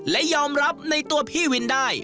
และยอมรับในตัวพี่วินได้